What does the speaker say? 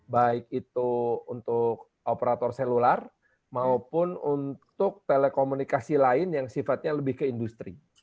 baik itu untuk operator selular maupun untuk telekomunikasi lain yang sifatnya lebih ke industri